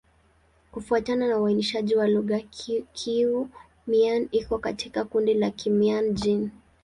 Kufuatana na uainishaji wa lugha, Kiiu-Mien iko katika kundi la Kimian-Jin.